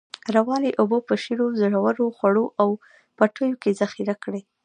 روانې اوبه په په شیلو، ژورو، خوړو او پټیو کې ذخیره کړی.